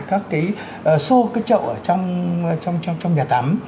các cái xô các cái chậu ở trong nhà tắm